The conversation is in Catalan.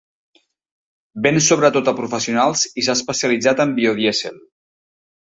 Ven sobretot a professionals i s'ha especialitzat en el biodièsel.